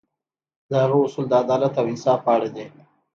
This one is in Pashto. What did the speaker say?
د هغه اصول د عدالت او انصاف په اړه دي.